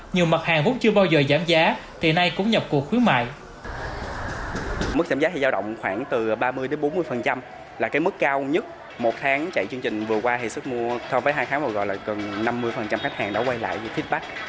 nhiều mặt hàng cũng chưa bao giờ giảm giá thì nay cũng nhập cuộc khuyến mại